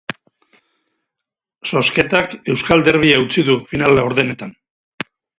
Zozketak euskal derbia utzi du final-laurdenetan.